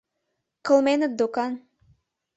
Кылменыт докан.